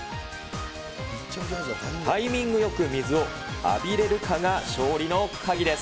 タイミングよく水を浴びれるかが勝利の鍵です。